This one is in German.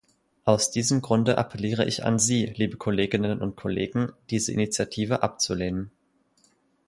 Aus diesem Grunde appelliere ich an Sie, liebe Kolleginnen und Kollegen, diese Initiative abzulehnen.